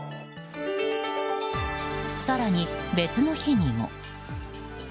更に、別の日にも。